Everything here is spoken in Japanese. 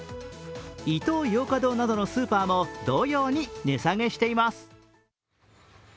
イトーヨーカードーなどのスーパーも同様に値下げしています。